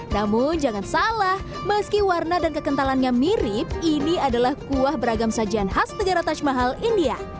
namun jangan salah meski warna dan kekentalannya mirip ini adalah kuah beragam sajian khas negara taj mahal india